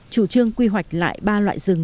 chủ trương quy hoạch lại ba loại rừng